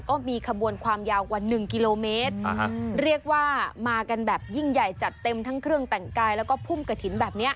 ก็มีขบวนความยาวกว่าหนึ่งกิโลเมตรเรียกว่ามากันแบบยิ่งใหญ่จัดเต็มทั้งเครื่องแต่งกายแล้วก็พุ่มกระถิ่นแบบนี้